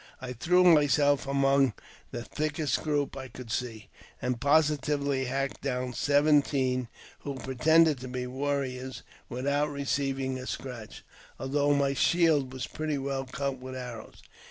I threw myself among the thickest group I could see, and positively hacked down seven teen who pretended to be warriors without receiving a scratch, I though my shield was pretty well cut with arrows.